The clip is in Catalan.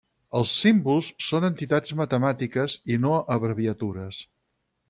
Els símbols són entitats matemàtiques i no abreviatures.